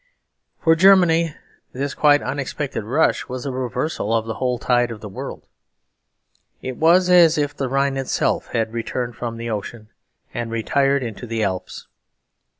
For Germany this quite unexpected rush was a reversal of the whole tide of the world. It was as if the Rhine itself had returned from the ocean and retired into the Alps.